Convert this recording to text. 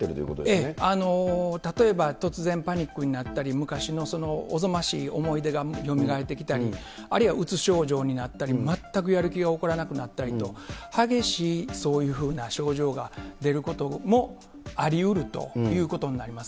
ええ、例えば、突然パニックになったり、昔のおぞましい思い出がよみがえってきたり、あるいはうつ症状になったり、全くやる気が起こらなくなったりと、激しいそういうふうな症状が出ることもありうるということになります。